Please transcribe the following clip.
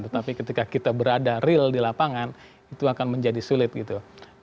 tetapi ketika kita berada real di lapangan itu akan menjadi sulit gitu